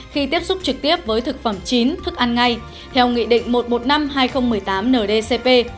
khi tiếp xúc trực tiếp với thực phẩm chín thức ăn ngay theo nghị định một trăm một mươi năm hai nghìn một mươi tám ndcp